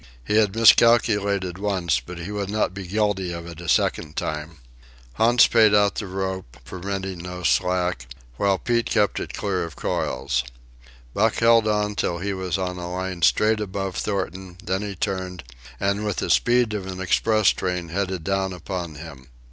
He had miscalculated once, but he would not be guilty of it a second time. Hans paid out the rope, permitting no slack, while Pete kept it clear of coils. Buck held on till he was on a line straight above Thornton; then he turned, and with the speed of an express train headed down upon him.